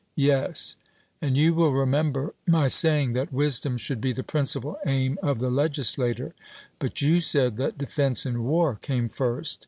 Yes; and you will remember my saying that wisdom should be the principal aim of the legislator; but you said that defence in war came first.